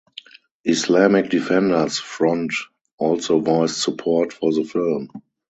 Islamic Defenders Front also voiced support for the film.